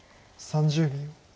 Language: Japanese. ３０秒。